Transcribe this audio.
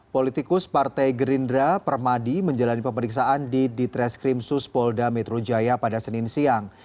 politikus partai gerindra permadi menjalani pemeriksaan di ditreskrim suspolda metro jaya pada senin siang